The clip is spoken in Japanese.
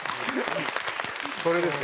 これですよ。